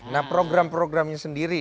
nah program programnya sendiri